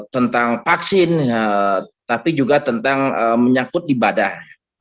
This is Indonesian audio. tentang vaksin tapi juga tentang menyangkut ibadah